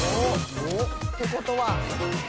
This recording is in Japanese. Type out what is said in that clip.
ってことはきた！